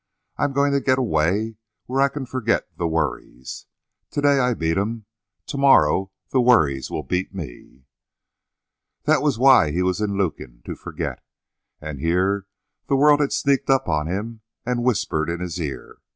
I'm going to get away where I can forget the worries. To day I beat 'em. Tomorrow the worries will beat me." That was why he was in Lukin to forget. And here the world had sneaked up on him and whispered in his ear.